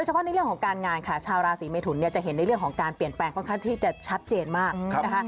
เพาะในเรื่องของการงานค่ะชาวราศีเมทุนเนี่ยจะเห็นในเรื่องของการเปลี่ยนแปลงค่อนข้างที่จะชัดเจนมากนะคะ